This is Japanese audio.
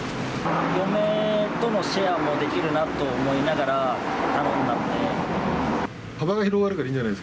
嫁とのシェアもできるなと思いながら、頼んだので。